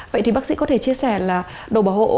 vậy thì bác sĩ có thể chia sẻ là đồ bảo hộ